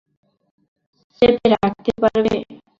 চেপে রাখতে পারবে?